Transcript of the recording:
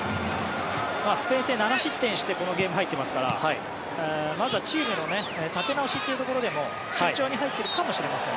スペイン戦で７失点してこのゲームに入っていますからまずはチームの立て直しというところでも慎重に入っているかもしれません。